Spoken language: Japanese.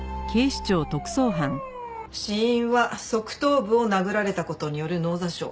死因は側頭部を殴られた事による脳挫傷。